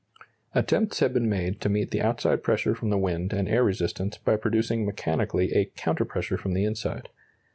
Attempts have been made to meet the outside pressure from the wind and air resistance by producing mechanically a counter pressure from the inside.